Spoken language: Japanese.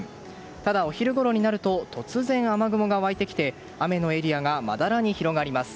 ただ、お昼ごろになると突然雨雲が湧いてきて雨のエリアがまだらに広がります。